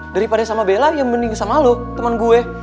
daripada sama bella yang mending sama lo temen gue